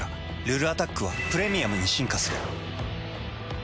「ルルアタック」は「プレミアム」に進化する。